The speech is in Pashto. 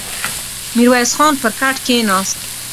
ميرويس خان پر کټ کېناست.